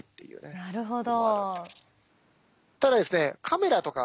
なるほど。